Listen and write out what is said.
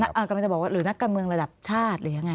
กำลังจะบอกว่าหรือนักการเมืองระดับชาติหรือยังไง